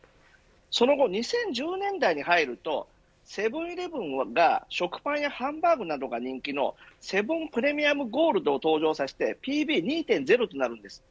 その後、２０１０年代に入るとセブン‐イレブンが食パンやハンバーグなどが人気のセブン・プレミアムゴールドを登場させてＰＢ２．０となるんです。